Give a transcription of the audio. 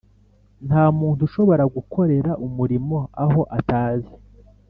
Nta muntu ushobora gukorera umurimo aho atazi